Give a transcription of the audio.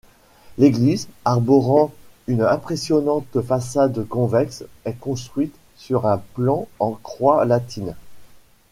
L'église, arborant une impressionnante façade convexe est construite sur un plan en croix latine.